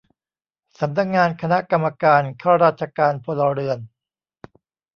สำนักงานคณะกรรมการข้าราชการพลเรือน